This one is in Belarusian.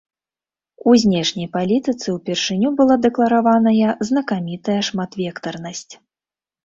У знешняй палітыцы ўпершыню была дэклараваная знакамітая шматвектарнасць.